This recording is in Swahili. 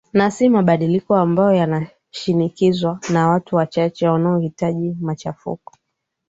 na si mabadiliko ambayo yanashinikizwa na watu wachache wanaohitaji machafuko